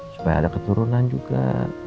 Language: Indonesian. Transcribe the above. supaya ada keturunan juga